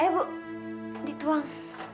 eh bu dituang